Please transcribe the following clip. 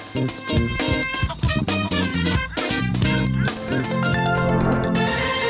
โปรดติดตามตอนต่อไป